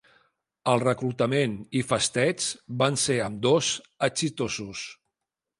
El reclutament i festeig van ser ambdós exitosos.